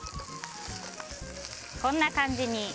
こんな感じに。